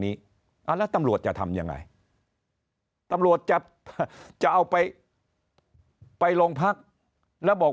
นี้แล้วตำรวจจะทำยังไงตำรวจจะจะเอาไปไปโรงพักแล้วบอก